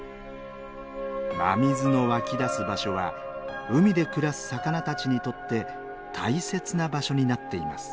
真水の湧き出す場所は海で暮らす魚たちにとって大切な場所になっています。